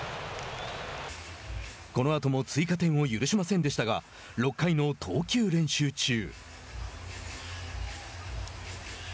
このあとも追加点を許しませんでしたが６回の投球練習中。